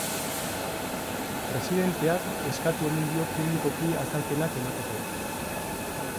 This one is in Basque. Presidenteak eskatu omen dio publikoki azalpenak emateko.